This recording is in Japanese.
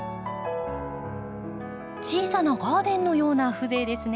小さなガーデンのような風情ですね。